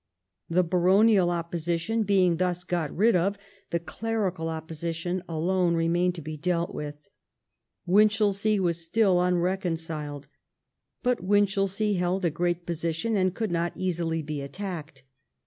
The baronial opposition being thus got rid of, the clerical opposition alone remained to be dealt with. Winchelsea was still unreconciled. But Winchelsea held a great position and could not easily be attacked.